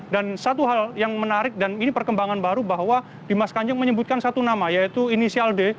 dan satu hal yang menarik dan ini perkembangan baru bahwa dimas kanjeng menyebutkan satu nama yaitu inisial d